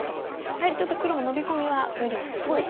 やはりちょっと黒もノビコミは無理なんですね。